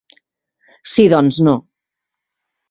Si doncs no.